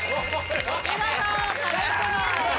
見事壁クリアです。